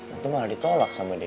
itu malah ditolak sama dia